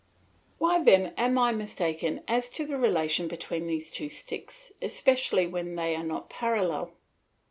Why then am I mistaken as to the relation between these two sticks, especially when they are not parallel?